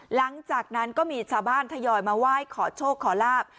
หลังจากนั้นก็มีชาวบ้านทยอยมาไหว้ขอโชคขอลาบ